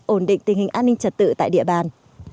ổn định tình hình an ninh trật tự tại địa bàn